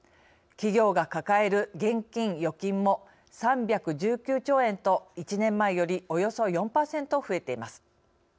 企業が抱える現金・預金も３１９兆円と、１年前よりおよそ４％増えています。